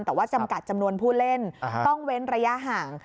แต่ว่าจำกัดจำนวนผู้เล่นต้องเว้นระยะห่าง